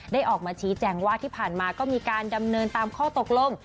ออกมาชี้แจงว่าที่ผ่านมาก็มีการดำเนินตามข้อตกลง